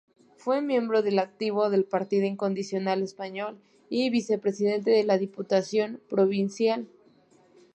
Fue un miembro activo del "Partido Incondicional Español" y vicepresidente de la "Diputación Provincial.